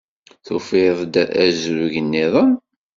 Tufiḍ-d azrug-nniḍen?